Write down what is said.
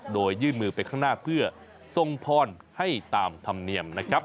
โดยยื่นมือไปข้างหน้าเพื่อทรงพรให้ตามธรรมเนียมนะครับ